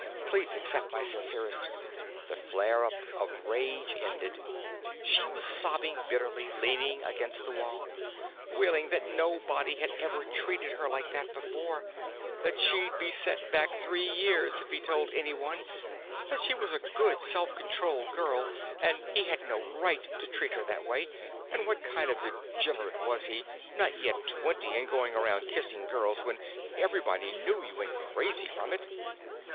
"Please accept my sincerest——" The flare up of rage ended; she was sobbing bitterly, leaning against the wall, wailing that nobody had ever treated her like that before, that she'd be set back three years if he told anybody, that she was a good, self controlled girl and he had no right to treat her that way, and what kind of degenerate was he, not yet twenty and going around kissing girls when everybody knew you went crazy from it.